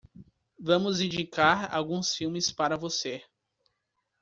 Vamos indicar alguns filmes para você.